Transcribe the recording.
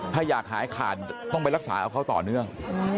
ถ้าอยากหายขาดต้องไปรักษาเอาเขาต่อเนื่อง